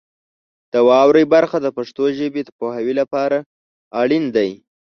د واورئ برخه د پښتو ژبې د پوهاوي لپاره اړین دی.